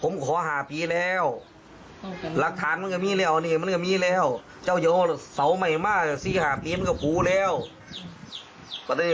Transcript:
เนี่ยหลังจากทีเขาทะเลาะกับพี่สาวคนที่๓